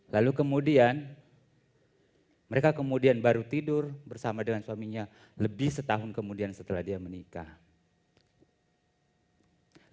lalu kemudian mereka kemudian baru tidur bersama dengan suaminya lebih setahun kemudian setelah dia menikah